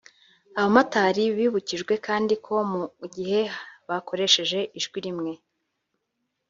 Abamotari bibukijwe kandi ko mu gihe bakoresheje ijwi rimwe